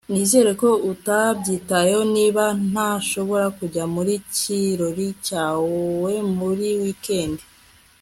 nizere ko utabyitayeho niba ntashobora kujya mu kirori cyawe muri wikendi